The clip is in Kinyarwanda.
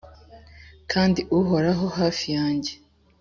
kandi uhora hafi yanjye.